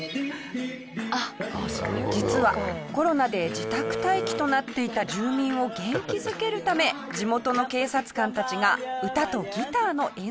実はコロナで自宅待機となっていた住民を元気づけるため地元の警察官たちが歌とギターの演奏をプレゼント。